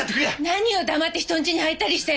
何よ黙って人んちに入ったりして！